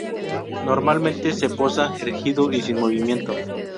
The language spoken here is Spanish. Normalmente se posa erguido y sin movimiento.